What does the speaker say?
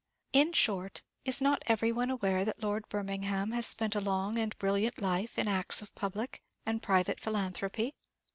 In short, is not every one aware that Lord Birmingham has spent a long and brilliant life in acts of public and private philanthropy?